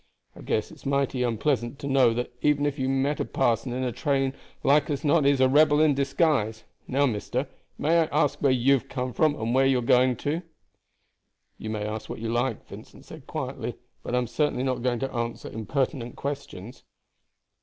I guess it's mighty unpleasant to know that even if you meet a parson in a train like as not he is a rebel in disguise. Now, mister, may I ask where you have come from and where you are going to?" "You may ask what you like," Vincent said quietly; "but I am certainly not going to answer impertinent questions."